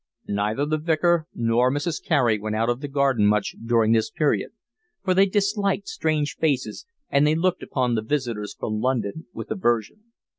Neither the Vicar nor Mrs. Carey went out of the garden much during this period; for they disliked strange faces, and they looked upon the visitors from London with aversion.